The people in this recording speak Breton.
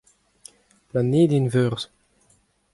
Planedenn Veurzh.